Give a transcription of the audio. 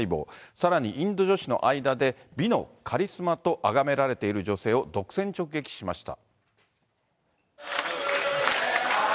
さらにインド女子の間で、美のカリスマとあがめられている女性を独占直撃しました。